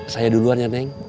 saya duluan ya neng